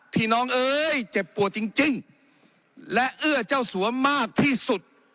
น้องเอ้ยเจ็บปวดจริงและเอื้อเจ้าสัวมากที่สุด